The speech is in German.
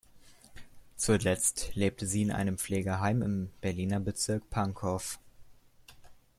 Zuletzt lebte sie in einem Pflegeheim im Berliner Bezirk Pankow.